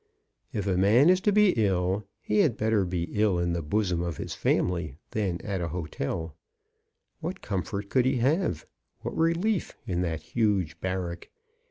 If a man is to be ill, he had better be ill MRS. BROWN'S SUCCESS. 7 in the bosom of his family than at a hotel. What comfort could he have, what relief, in that huge barrack?